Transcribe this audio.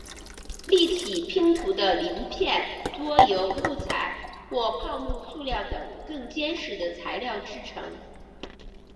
立体拼图的零片多由木材或泡沫塑料等更坚实的材料制成。